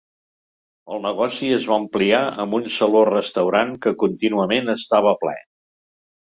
El negoci es va ampliar amb un saló restaurant que contínuament estava ple.